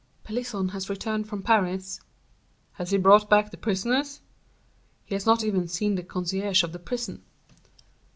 "Pelisson has returned from Paris." "Has he brought back the prisoners?" "He has not even seen the concierge of the prison."